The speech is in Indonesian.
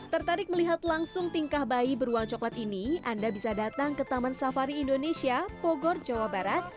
tertarik melihat langsung tingkah bayi beruang coklat ini anda bisa datang ke taman safari indonesia bogor jawa barat